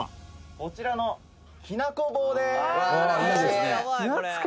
「こちらのきなこ棒です！」